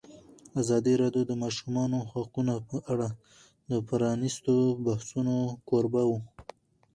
ازادي راډیو د د ماشومانو حقونه په اړه د پرانیستو بحثونو کوربه وه.